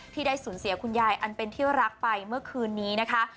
ที่ได้สูญเสียคุณยายอันเป็นที่รักไปเมื่อคืนนี้นะคะ